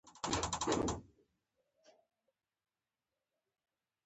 د احمد د هڅو په برکت، نن د دوو لویو قومونو ترمنځ جوړه راغله.